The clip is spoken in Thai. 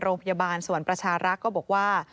โรงพยาบาลสวรรค์ประชารักษ์ก็บอกว่า